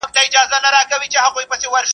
o د پيشي چي لا نفس تنگ سي د زمري جنگ کوي.